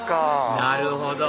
なるほど！